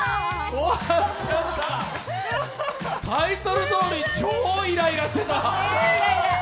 タイトルどおり、超イライラしてた。